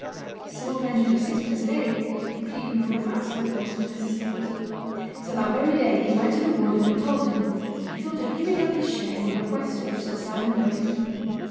His small pension of sixpence a day would keep him from absolute want of necessaries. So that very day he went to the warden and told him he thought of giving up his share in the bequest of Sir Simon Bray.